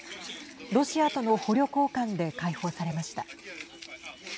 ロシアとの捕虜交換で解放されました。